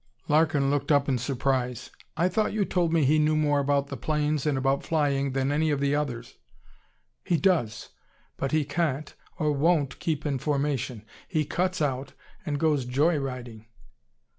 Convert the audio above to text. Larkin looked up in surprise. "I thought you told me he knew more about the planes and about flying than any of the others." "He does. But he can't or won't keep in formation. He cuts out, and goes joy riding."